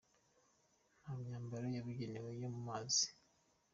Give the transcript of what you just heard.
Nta myambaro yabugenewe yo mu mazi.